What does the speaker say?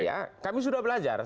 ya kami sudah belajar